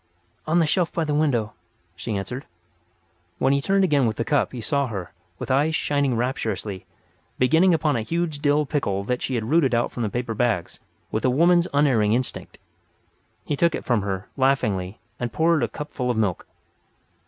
"On the shelf by the window," she answered. When he turned again with the cup he saw her, with eyes shining rapturously, beginning upon a huge Dill pickle that she had rooted out from the paper bags with a woman's unerring instinct. He took it from her, laughingly, and poured the cup full of milk.